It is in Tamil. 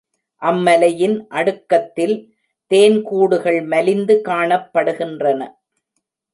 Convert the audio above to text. அம்மலையின் அடுக்கத்தில் தேன் கூடுகள் மலிந்து காணப்படுகின்றன.